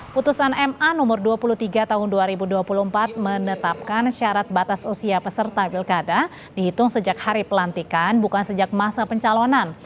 putusan ma nomor dua puluh tiga tahun dua ribu dua puluh empat menetapkan syarat batas usia peserta pilkada dihitung sejak hari pelantikan bukan sejak masa pencalonan